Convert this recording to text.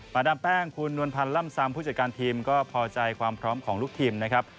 ดามแป้งคุณนวลพันธ์ล่ำซำผู้จัดการทีมก็พอใจความพร้อมของลูกทีมนะครับ